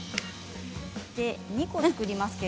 ２個作ります。